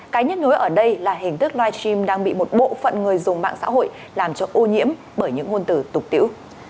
cái nhất nhối ở đây là hình thức live stream đang bị một bộ phận người dùng mạng xã hội làm cho ô nhiễm bởi những ngôn từ tục tiễu